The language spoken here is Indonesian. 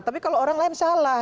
tapi kalau orang lain salah